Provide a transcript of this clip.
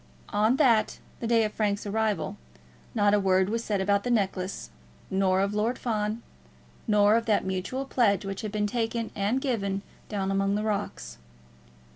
On that, the day of Frank's arrival, not a word was said about the necklace, nor of Lord Fawn, nor of that mutual pledge which had been taken and given down among the rocks.